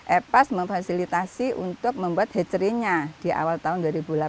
epas memfasilitasi untuk membuat hatchery nya di awal tahun dua ribu delapan belas